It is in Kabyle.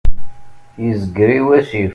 Izger i wasif.